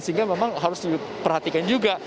sehingga memang harus diperhatikan juga